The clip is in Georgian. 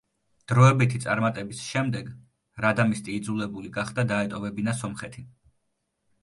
დროებითი წარმატების შემდეგ რადამისტი იძულებული გახდა დაეტოვებინა სომხეთი.